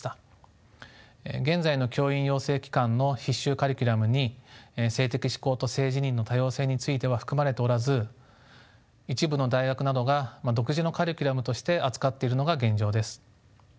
現在の教員養成機関の必修カリキュラムに性的指向と性自認の多様性については含まれておらず一部の大学などが独自のカリキュラムとして扱っているのが現状です。